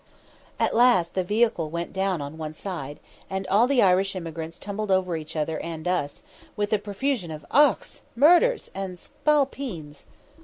At last the vehicle went down on one side, and all the Irish emigrants tumbled over each other and us, with a profusion of "Ochs," "murders," and "spalpeens."